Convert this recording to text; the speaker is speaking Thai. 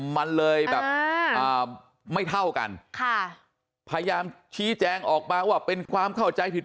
มันเลยแบบไม่เท่ากันค่ะพยายามชี้แจงออกมาว่าเป็นความเข้าใจผิด